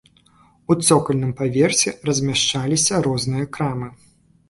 У цокальным паверсе размяшчаліся розныя крамы.